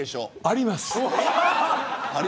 あります。